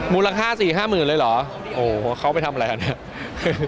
อ๋อมูลค่า๔๕หมื่นเลยเหรอโอ้เขาไปทำอะไรอ่ะเนี่ย